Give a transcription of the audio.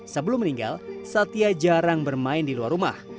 sebelum meninggal satya jarang bermain di luar rumah